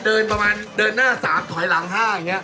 เดินประมาณเดินหน้า๓ถอยหลัง๕อย่างนี้